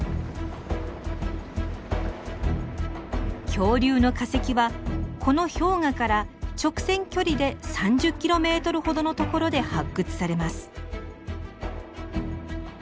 恐竜の化石はこの氷河から直線距離で３０キロメートルほどのところで発掘されます。